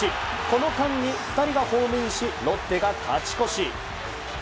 この間に２人がホームインしロッテが勝ち越し。